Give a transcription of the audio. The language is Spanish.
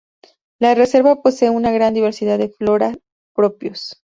La reserva posee una gran diversidad de flora, propios.